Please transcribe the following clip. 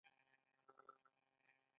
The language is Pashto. خپلوانو سره ښه وکړئ